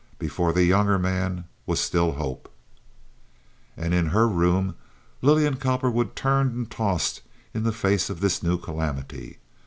Before the younger man was still hope. And in her room Lillian Cowperwood turned and tossed in the face of this new calamity.